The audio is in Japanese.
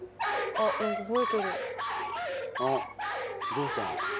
どうした？